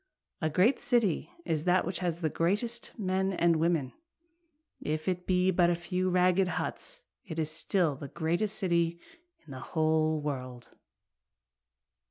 A great city is that which has the greatest men and women, If it be a few ragged huts it is still the greatest city in the whole world.